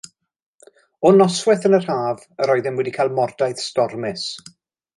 O noswaith yn yr haf, yr oeddem wedi cael mordaith stormus.